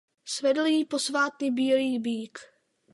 Svedl ji posvátný bílý býk.